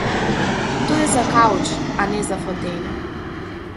Тој е за кауч, а не за фотеља.